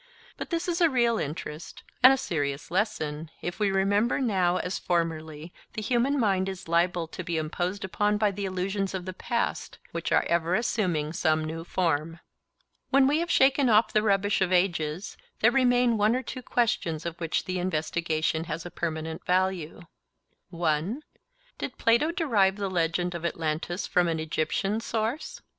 But this is a real interest and a serious lesson, if we remember that now as formerly the human mind is liable to be imposed upon by the illusions of the past, which are ever assuming some new form. When we have shaken off the rubbish of ages, there remain one or two questions of which the investigation has a permanent value:— 1. Did Plato derive the legend of Atlantis from an Egyptian source?